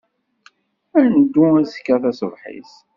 Ad neddu azekka taṣebḥit.